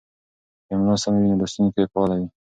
که املا سمه وي نو لوستونکی فعاله وي.